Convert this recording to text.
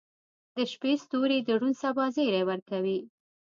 • د شپې ستوري د روڼ سبا زیری ورکوي.